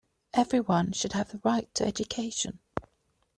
Everyone should have the right to education.